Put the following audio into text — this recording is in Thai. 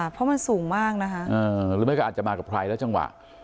เพราะมันสูงมากนะคะหรือไม่ก็อาจจะมากับใครแล้วจังหวะ